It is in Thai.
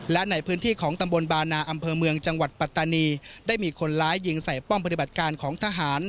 และในพื้นที่ของตำบลบานาอำเภอเมืองจังหวัดปัตตานีได้มีคนร้ายยิงใส่ป้อมปฏิบัติการของทหาร